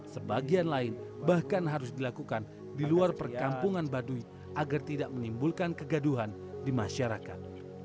sebagian lain bahkan harus dilakukan di luar perkampungan baduy agar tidak menimbulkan kegaduhan di masyarakat